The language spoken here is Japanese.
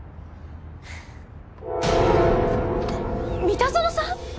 三田園さん！？